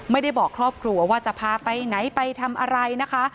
ไม่ได้บอกครอบครัวว่าจะพาไปไหนไปทำอะไรนะคะ